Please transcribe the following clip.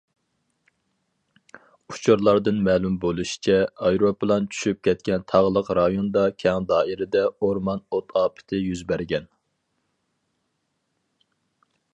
ئۇچۇرلاردىن مەلۇم بولۇشىچە، ئايروپىلان چۈشۈپ كەتكەن تاغلىق رايوندا كەڭ دائىرىدە ئورمان ئوت ئاپىتى يۈز بەرگەن.